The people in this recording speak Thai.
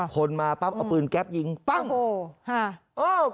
คนมาปั๊บเอาปืนแก๊ปยิงปั้งโอ้โหฮ่า